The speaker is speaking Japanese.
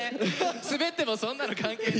スベってもそんなの関係ねえ！